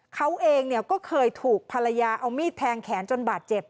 เขาเองก็เคยถูกภรรยาเอามีดแทงแขนจนบาดเจ็บ